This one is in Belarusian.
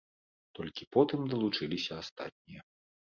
Толькі потым далучыліся астатнія.